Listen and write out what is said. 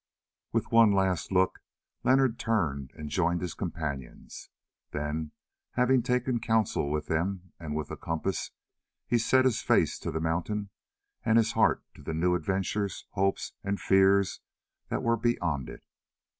With one last look Leonard turned and joined his companions. Then, having taken counsel with them and with the compass, he set his face to the mountain and his heart to the new adventures, hopes, and fears that were beyond it.